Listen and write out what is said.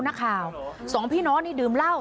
นักข่าวสองพี่น้องนี่ดื่มเหล้า